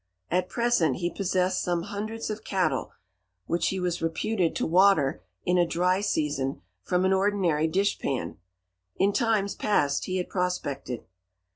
At present he possessed some hundreds of cattle, which he was reputed to water, in a dry season, from an ordinary dish pan. In times past he had prospected.